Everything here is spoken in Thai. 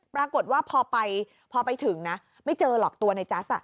ปรากฏว่าพอไปถึงนะไม่เจอหรอกตัวในจัส